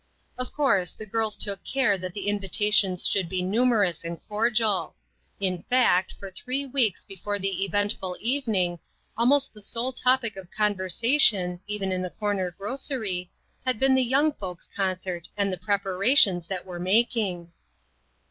Of course, the girls took care that the invitations should be numerous and cordial. In fact, for three weeks before the eventful evening, almost the sole topic of conversation, even in the corner grocery, had been the young folks' concert and the preparations that were mak ing.